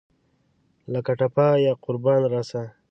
لکه ټپه پۀ یاقربان راسه !